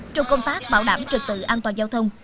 trong công tác bảo đảm trực tự an toàn giao thông